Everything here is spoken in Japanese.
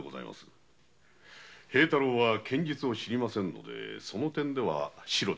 平太郎は剣術を知りませんのでその点ではシロでございますが。